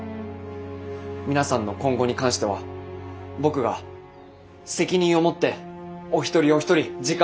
皆さんの今後に関しては僕が責任を持ってお一人お一人時間をかけて。